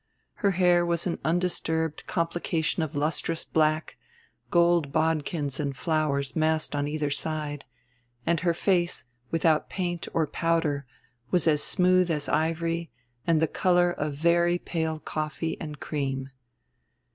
Her hair was an undisturbed complication of lustrous black, gold bodkins and flowers massed on either side; and her face, without paint or powder, was as smooth as ivory and the color of very pale coffee and cream.